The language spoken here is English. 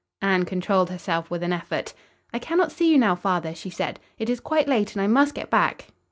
Anne controlled herself with an effort. "I cannot see you now, father," she said. "It is quite late and I must get back."